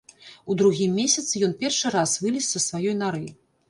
У другім месяцы ён першы раз вылез са сваёй нары.